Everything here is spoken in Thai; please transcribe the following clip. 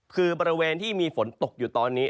คือบริเวณที่มีฝนตกอยู่ตอนนี้